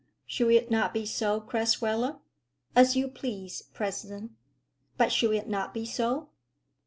"Should it not be so, Crasweller?" "As you please, President." "But should it not be so?"